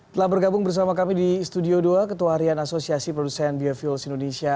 telah bergabung bersama kami di studio dua ketua harian asosiasi produsen biofuels indonesia